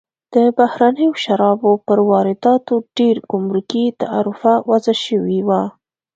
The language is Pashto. د بهرنیو شرابو پر وارداتو ډېر ګمرکي تعرفه وضع شوې وه.